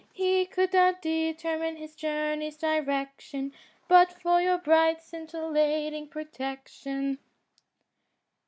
He could not determine his journey's direction But for your bright scintillating protection.